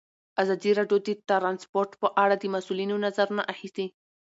ازادي راډیو د ترانسپورټ په اړه د مسؤلینو نظرونه اخیستي.